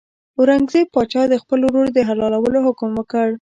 اورنګزېب پاچا د خپل ورور د حلالولو حکم وکړ.